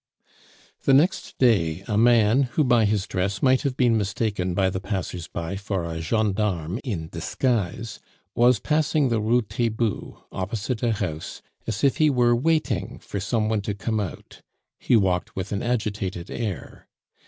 The next day a man, who by his dress might have been mistaken by the passers by for a gendarme in disguise, was passing the Rue Taitbout, opposite a house, as if he were waiting for some one to come out; he walked with an agitated air.